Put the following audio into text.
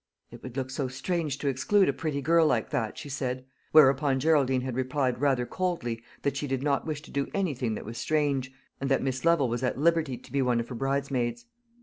"It would look so strange to exclude a pretty girl like that," she said. Whereupon Geraldine had replied rather coldly that she did not wish to do anything that was strange, and that Miss Lovel was at liberty to be one of her bridesmaids.